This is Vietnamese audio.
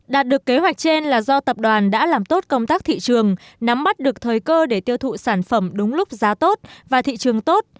đạt được kế hoạch trên là do tập đoàn đã làm tốt công tác thị trường nắm mắt được thời cơ để tiêu thụ sản phẩm đúng lúc giá tốt và thị trường tốt